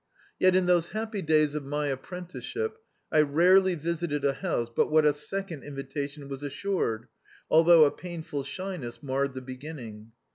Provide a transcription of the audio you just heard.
Yet, in those happy days of my apprenticeship, I rarely visited a house but what a second invitation was assured, although a painful shyness marred the beginning.